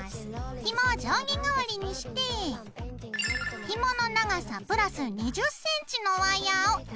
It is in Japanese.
ひもを定規代わりにしてひもの長さ＋２０ｃｍのワイヤーを４本用意します。